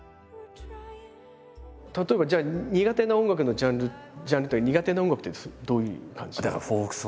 例えばじゃあ苦手な音楽のジャンルジャンルというか苦手な音楽ってどういう感じなんですか？